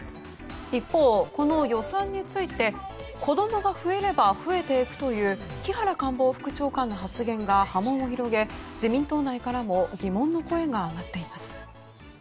一方、この予算について子供が増えれば増えていくという木原官房副長官の発言が波紋を広げ自民党内からも疑問の声が上がっています。